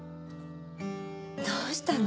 どうしたの？